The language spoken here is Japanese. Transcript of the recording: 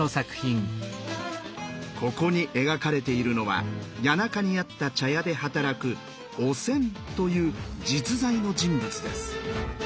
ここに描かれているのは谷中にあった茶屋で働く「お仙」という実在の人物です。